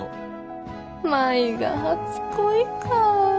舞が初恋かぁ。